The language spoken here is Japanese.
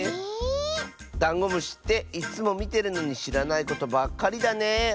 ダンゴムシっていっつもみてるのにしらないことばっかりだねえ。